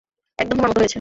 একদম তোমার মতো হয়েছে।